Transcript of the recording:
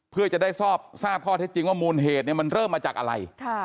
เพื่อจะได้ทราบข้อเท็จจริงว่ามูลเหตุมันเริ่มมาจากอะไร